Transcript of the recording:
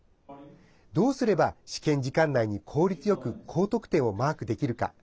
どうすれば試験時間内に効率よく高得点をマークできるか。